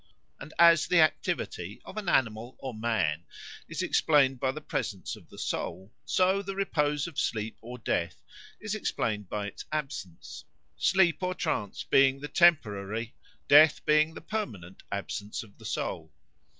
And as the activity of an animal or man is explained by the presence of the soul, so the repose of sleep or death is explained by its absence; sleep or trance being the temporary, death being the permanent absence of the soul.